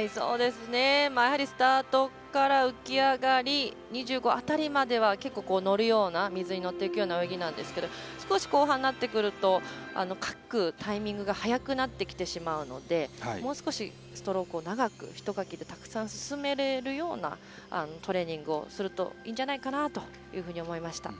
やはりスタートから浮き上がり、２５辺りまでは結構のるような水にのっていくような泳ぎなんですけど少し後半になってくるとかくタイミングが早くなってきてしまうのでもう少し、ストロークを長くひとかきでたくさん進めるようなトレーニングをするといいんじゃないかなというふうに思いました。